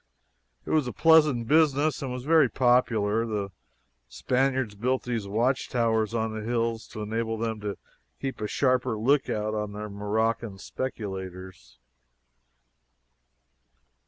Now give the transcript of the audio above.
It was a pleasant business, and was very popular. The Spaniards built these watchtowers on the hills to enable them to keep a sharper lookout on the Moroccan speculators.